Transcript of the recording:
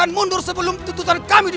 rencana alam yang terjadi